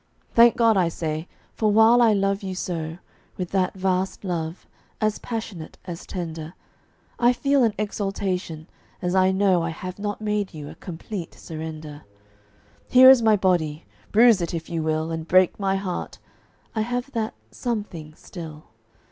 Thank God, I say, for while I love you so, With that vast love, as passionate as tender, I feel an exultation as I know I have not made you a complete surrender. Here is my body; bruise it, if you will, And break my heart; I have that something still.